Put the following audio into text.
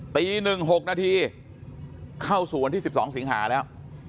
ตี๑๖นาทีเข้าสู่วันที่๑๒สิงหาแล้ว